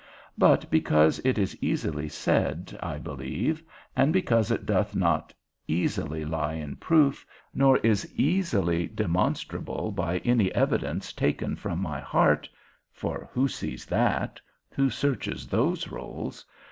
But because it is easily said, I believe, and because it doth not easily lie in proof, nor is easily demonstrable by any evidence taken from my heart (for who sees that, who searches those rolls?)